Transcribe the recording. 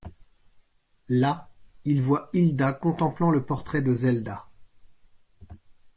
Là, il voit Hilda contemplant le portrait de Zelda.